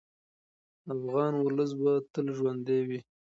افغان ولس به تل ژوندی وي.